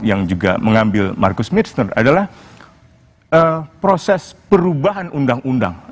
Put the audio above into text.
yang juga mengambil marcus mirsner adalah proses perubahan undang undang